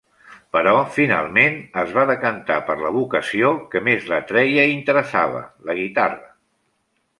Però finalment es va decantar per la vocació que més l'atreia i interessava, la guitarra.